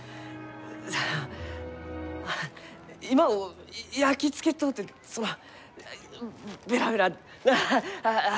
そのあ今を焼き付けとうてそのベラベラ、なあ！